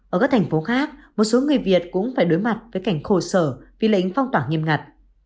ở các thành phố khác một số người việt cũng phải đối mặt với cảnh khổ sở vì lệnh phong tỏa nghiêm ngặt